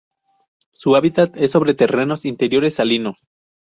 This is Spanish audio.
Su hábitat es sobre terrenos interiores salinos.